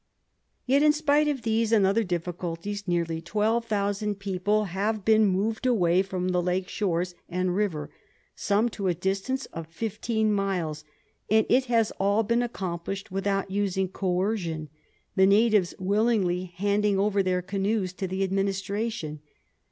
Yet in spite of these and other difficulties, nearly 12,000 people have been moved away from the lake shores and river, some to a distance of 15 miles, and it has all been accomplished without using coercion, the natives willingly handing over their canoes to the Administration.